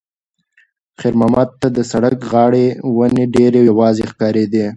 خیر محمد ته د سړک د غاړې ونې ډېرې یوازې ښکارېدې.